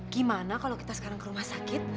gimana kalau kita sekarang ke rumah sakit